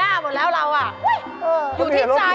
หัวยังอยู่ครบเราคิดผิวหน้าหมดแล้ว